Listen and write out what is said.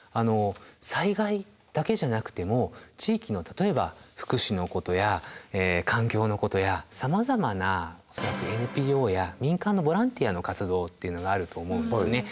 災害だけじゃなくても地域の例えば福祉のことや環境のことやさまざまなＮＰＯや民間のボランティアの活動っていうのがあると思うんですね。